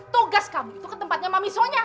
tugas kamu itu ke tempatnya mami sonya